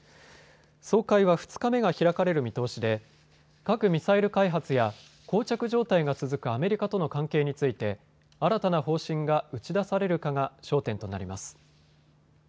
総会は２日目が開かれる見通しで核・ミサイル開発やこう着状態が続くアメリカとの関係について新たな方針が打ち出されるかが焦点となります。